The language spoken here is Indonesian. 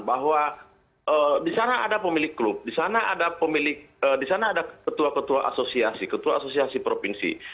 bahwa di sana ada pemilik klub di sana ada ketua ketua asosiasi ketua asosiasi provinsi